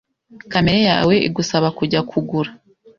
kamere yawe igusaba kujya kugura